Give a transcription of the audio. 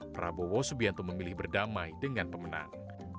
prabowo subianto memilih berdamai dengan pemenang